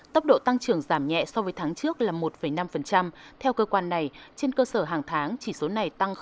tốc độ tăng trưởng giảm nhẹ so với tháng trước là một năm theo cơ quan này trên cơ sở hàng tháng chỉ số này tăng năm